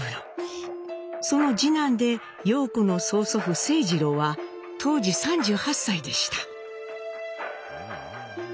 その次男で陽子の曽祖父清二郎は当時３８歳でした。